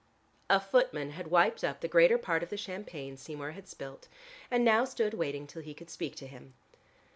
A footman had wiped up the greater part of the champagne Seymour had spilt and now stood waiting till he could speak to him.